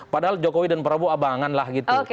padahal jokowi dan prabowo abangan lah gitu